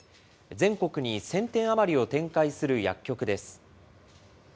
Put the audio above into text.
全国に１０００店余りを展開する薬局です。